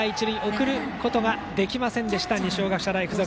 送ることができなかった二松学舎大付属。